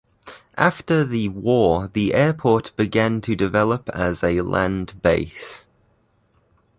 After the war the airport began to develop as a land base.